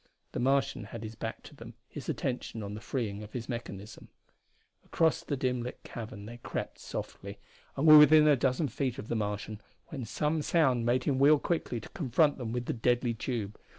The Martian had his back to them, his attention on the freeing of his mechanism. Across the dim lit cavern they crept softly, and were within a dozen feet of the Martian when some sound made him wheel quickly to confront them with the deadly tube.